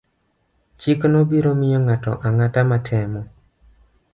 Chikno biro miyo ng'ato ang'ata matemo